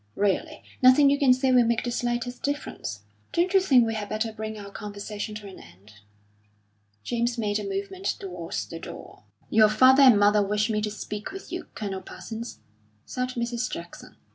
Really, nothing you can say will make the slightest difference. Don't you think we had better bring our conversation to an end?" James made a movement towards the door. "Your father and mother wish me to speak with you, Colonel Parsons," said Mrs. Jackson.